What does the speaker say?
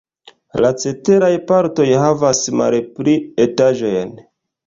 La ceteraj partoj havas malpli etaĝojn.